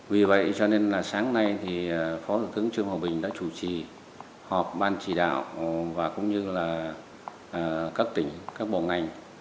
vì vậy cho nên là sáng nay thì phó thủ tướng trương hòa bình đã chủ trì họp ban chỉ đạo và cũng như là các tỉnh các bộ ngành